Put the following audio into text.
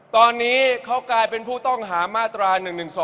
ตอนนี้เขากลายเป็นผู้ต้องหามาตรา๑๑๒